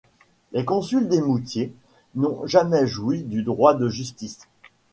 Les consuls d'Eymoutiers n'ont jamais joui du droit de justice.